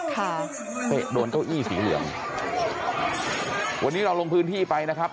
ค่ะเตะโดนเก้าอี้สีเหลืองวันนี้เราลงพื้นที่ไปนะครับ